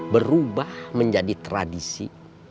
berubah menjadi tradisi